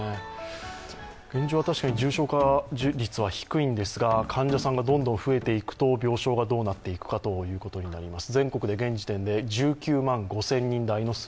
現状は確かに重症化率は低いんですが、患者さんがどんどん増えていくと病床がどうなっていくかということになります。